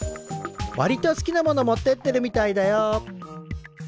わりと好きなもの持ってってるみたいだよ。